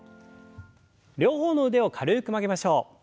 両方の腕を軽く曲げましょう。